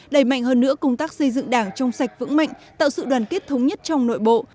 đẩy mạnh hơn nữa công tác xây dựng đảng trong sạch vững mạnh tạo sự đoàn kết thống nhất trong nội bộ